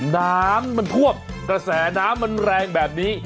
น้ำมันท่วมกระแสน้ำมันแรงแบบนี้